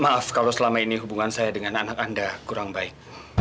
maaf kalau selama ini hubungan saya dengan anak anda kurang baik